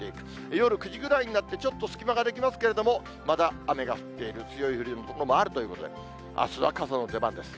夜９時ぐらいになって、ちょっと隙間ができますけれども、まだ雨が降っている、強い雨量の所もあるということで、あすは傘の出番です。